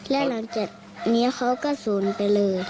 แล้วหลังจากนี้เขาก็สูญไปเลย